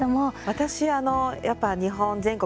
私、やっぱり日本全国